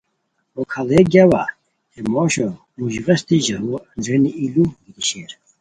ہو کھاڑے گیاوا ہے موشو موژغیشٹی ژاؤو اندرینی ای لو گیتی شیر